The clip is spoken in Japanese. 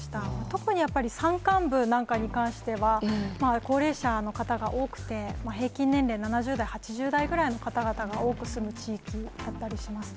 特にやっぱり山間部なんかに関しては、高齢者の方が多くて、平均年齢７０代、８０代ぐらいの方々が多く住む地域だったりします。